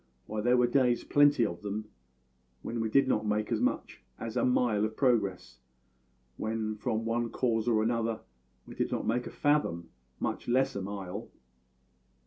Why, there were days plenty of them when we did not make so much as a mile of progress; when, from one cause or another, we did not make a fathom, much less a mile.